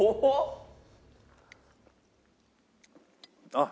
あっ。